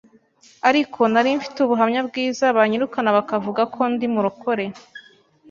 ariko nari mfite ubuhamya bwiza banyirukana bakavuga ko ndi murokore